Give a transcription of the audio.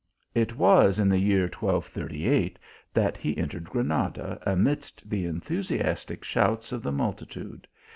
It was in the year 1238 that he entered Granada amidst the enthusiastic shouts of the mul titude.